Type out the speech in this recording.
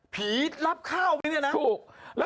ผีรับข้าวไหมเนี่ยนะถูก